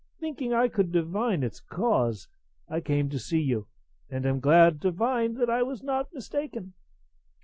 Thinking I could divine its cause, I came to see you, and am glad to find I was not mistaken.